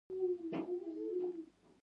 ګلاب د عاشقانو د زړه وینا ده.